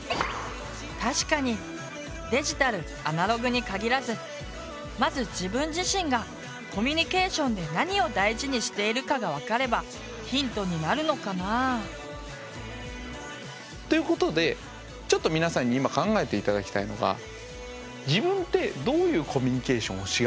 確かにデジタルアナログにかぎらずまず自分自身がコミュニケーションで何を大事にしているかが分かればヒントになるのかな。ということでちょっと皆さんに今考えて頂きたいのが自分ってどういうコミュニケーションをしがちかな。